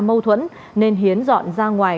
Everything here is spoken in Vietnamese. mâu thuẫn nên hiến dọn ra ngoài